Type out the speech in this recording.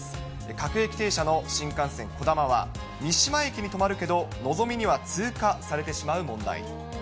各駅停車の新幹線こだまは、三島駅に止まるけど、のぞみには通過されてしまう問題。